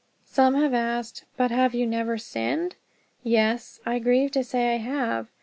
'" Some have asked, "But have you never sinned?" Yes, I grieve to say I have.